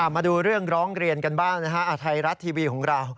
มาดูเรื่องร้องเรียนกันบ้างนะฮะไทยรัฐทีวีของเรา